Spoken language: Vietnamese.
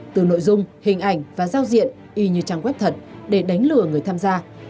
từ nội dung hình ảnh và giao diện y như trang web thật để đánh lừa người tham gia